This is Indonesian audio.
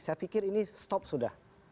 saya pikir ini stop sudah